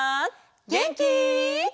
げんき？